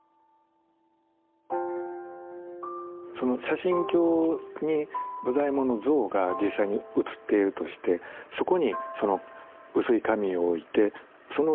その写真鏡に武左衛門の像が実際に映っているとしてそこにその薄い紙を置いてその像の輪郭を取っていくと。